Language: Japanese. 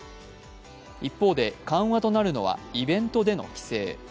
一方で、緩和となるのはイベントでの規制。